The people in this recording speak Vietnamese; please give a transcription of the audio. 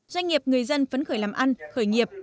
doanh nghiệp người dân phấn khởi làm ăn khởi nghiệp